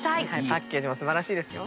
パッケージも素晴らしいですよ。